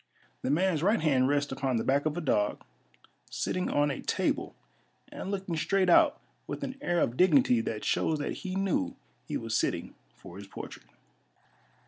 The man's right hand rests upon the back of a dog sitting on a table and looking straight out with an air of dignity that shows that he knew he was sitting for his portrait.